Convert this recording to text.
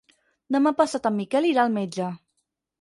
Demà passat en Miquel irà al metge.